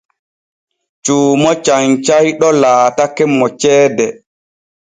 Cuumo canyayɗo laatake mo ceede.